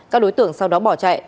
các đối tượng sau đó bỏ chạy